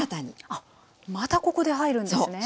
あっまたここで入るんですね！